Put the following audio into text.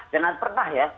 jangan pernah ya